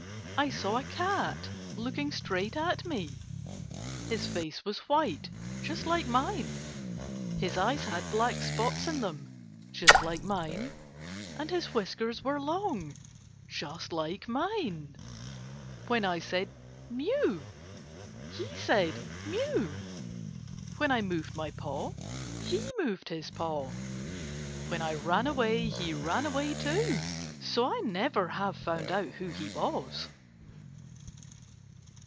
I saw a cat looking straight at me. His face was white just like mine. His eyes had black spots in them just like mine, and his whiskers were long just like mine. When I said ' Mew !' he said * Mew !' When I moved my paw, he moved his paw. When I ran away, he ran away too, so I never have found out who he was.